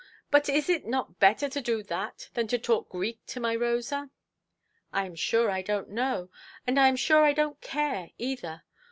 But is it not better to do that than to talk Greek to my Rosa"? "I am sure I donʼt know; and I am sure I donʼt care either.